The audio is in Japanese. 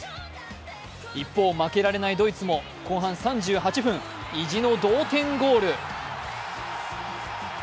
一方、負けられないドイツも後半３８分、意地の同点ゴール。